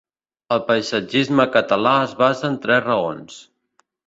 El paisatgisme català es basa en tres raons.